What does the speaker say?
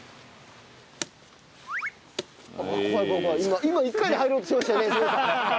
今今１回で入ろうとしましたよね染谷さん。